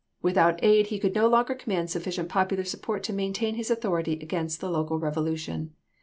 Without aid he could no longer command sufficient popular support to maintain his authority against the local revolution.